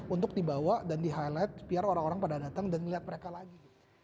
untuk dibawa dan di highlight biar orang orang pada datang dan melihat mereka lagi